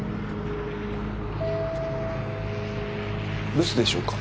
留守でしょうか。